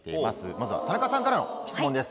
まずは田中さんからの質問です。